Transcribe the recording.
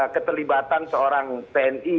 keterlibatan seorang tni